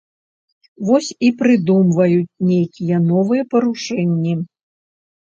Вось і прыдумваюць нейкія новыя парушэнні.